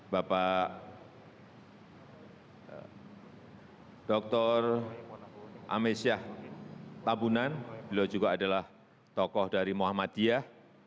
bapak dr amesyah tabunan beliau juga adalah tokoh dari muhammadiyah